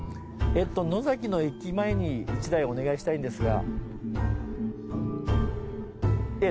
野崎の駅前に１台お願いしたいんですが。